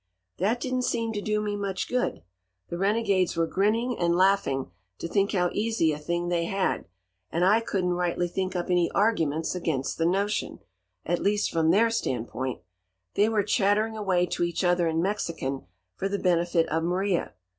"That didn't seem to do me much good. The renegades were grinning and laughing to think how easy a thing they had; and I couldn't rightly think up any arguments against the notion at least from their standpoint. They were chattering away to each other in Mexican for the benefit of Maria.